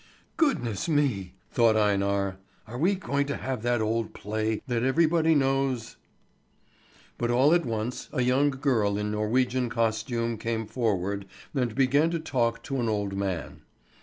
"Goodness me!" thought Einar. "Are we going to have that old play that everybody knows?" But all at once a young girl in Norwegian costume came forward and began to talk to an old man.